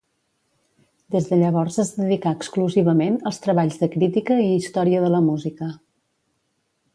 Des de llavors es dedicà exclusivament als treballs de crítica i història de la música.